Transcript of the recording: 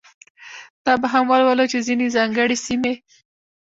دا به هم ولولو چې ځینې ځانګړې سیمې.